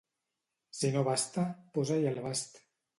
Si no basta, posa-hi el bast.